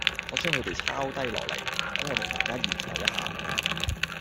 我將佢哋抄低落嚟，等我同大家研究一下